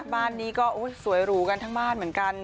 บ้านนี้ก็สวยหรูกันทั้งบ้านเหมือนกัน